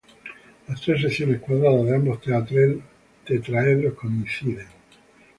Las tres secciones cuadradas de ambos tetraedros coinciden.